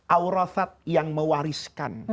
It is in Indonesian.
awrathat yang mewariskan